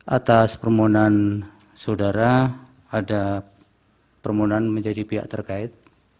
atas permohonan saudara ada permohonan menjadi pihak terkait